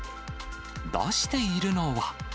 出しているのは。